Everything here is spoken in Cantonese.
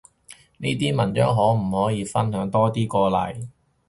呢類文章可唔可以分享多啲過嚟？